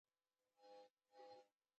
د نورو حقوق د هغوی ذاتي احترام دی.